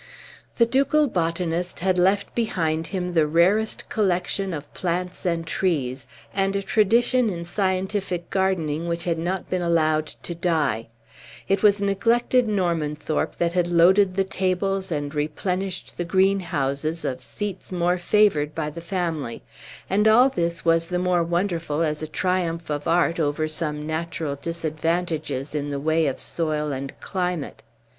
The ducal botanist had left behind him the rarest collection of plants and trees, and a tradition in scientific gardening which had not been allowed to die; it was neglected Normanthorpe that had loaded the tables and replenished the greenhouses of seats more favored by the family; and all this was the more wonderful as a triumph of art over some natural disadvantages in the way of soil and climate.